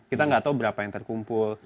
kita nggak tahu berapa yang terkumpul